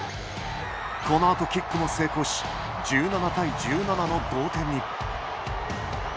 このあとキックも成功し１７対１７の同点に。